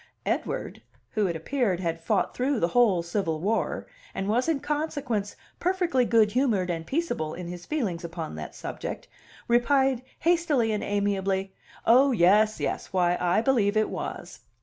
Edward, who, it appeared, had fought through the whole Civil War, and was in consequence perfectly good humored and peaceable in his feelings upon that subject, replied hastily and amiably: "Oh, yes, yes! Why, I believe it was!"